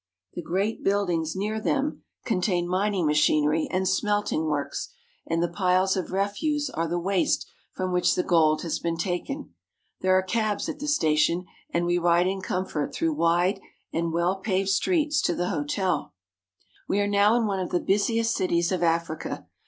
The great buildings near them con AFRICA ^Ko6 ^^^P tain mining machinery and smelting works, and the pild ^^H of refuse are the waste from which the gold has beeid ^^^ft taken. There arc cabs at the station, and we ride in com ^^^K fort through wide and well paved streets to the hotel. Smelting works. We are now in one of the bu.siest cities of Africa.